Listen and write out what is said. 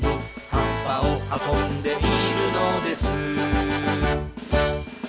「葉っぱを運んでいるのです」